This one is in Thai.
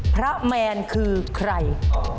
พระแมนคือใคร